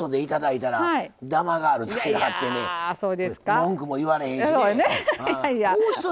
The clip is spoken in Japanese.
文句も言われへんしね。